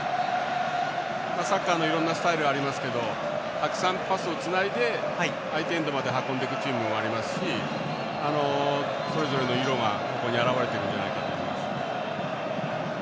サッカーのいろんなスタイルありますけどたくさんパスをつないで相手エンドまでつないでいくこともありますしそれぞれの色が表れているんじゃないかと思います。